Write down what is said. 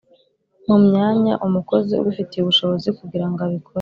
Mu myanya umukozi ubifitiye ubushobozi kugira ngo abikore